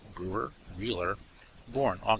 brewer, reeler; born Aug.